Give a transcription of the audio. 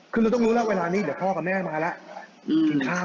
คือเราต้องรู้แล้วเวลานี้เดี๋ยวพ่อกับแม่มาละ